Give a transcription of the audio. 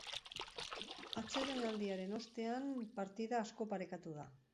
Atsedenaldiaren ostean, partida asko parekatu da.